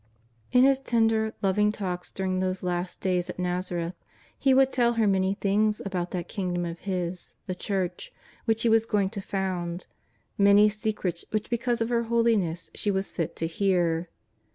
In His tender, loving talks during those last days at ISTazareth, He would tell her many things about that Kingdom of His, the Church, which He was going to found, many secrets which because of her holiness she was fit to hear.